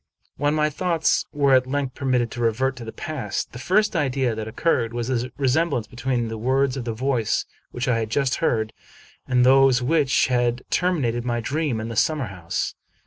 When my thoughts were at length permitted to revert to the past, the first idea that occurred was the resemblance between the words of the voice which I had just heard and those which had terminated my dream in the summer house.